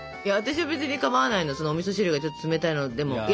私は別にかまわないのおみそ汁がちょっと冷たいのでも。